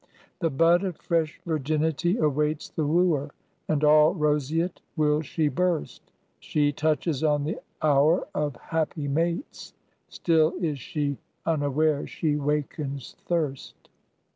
The bud of fresh virginity awaits The wooer, and all roseate will she burst: She touches on the hour of happy mates; Still is she unaware she wakens thirst.